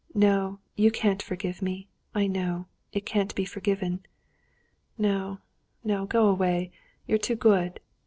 No, you can't forgive me! I know, it can't be forgiven! No, no, go away, you're too good!"